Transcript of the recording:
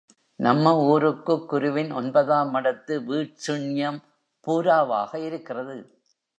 நம்ம ஊருக்குக் குருவின் ஒன்பதாம் மடத்து வீட்சிண்யம் பூராவாக இருக்கிறது.